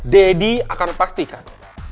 deddy akan pastikan